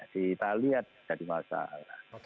di italia jadi masalah